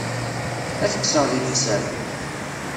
Ad t-kkseɣ deg leḥsab.